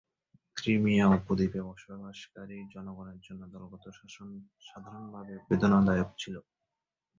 Crimea উপদ্বীপে বসবাসকারী জনগণের জন্য দলগত শাসন সাধারণভাবে বেদনাদায়ক ছিল।